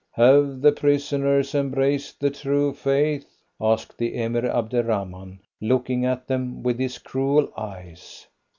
"Have the prisoners embraced the true faith?" asked the Emir Abderrahman, looking at them with his cruel eyes.